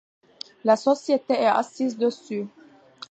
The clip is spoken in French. La société est assise dessus.